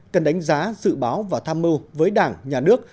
cần đánh giá dự báo và tham mưu với đảng nhà nước